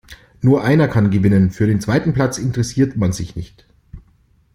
Nur einer kann gewinnen. Für den zweiten Platz interessiert man sich nicht.